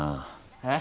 えっ？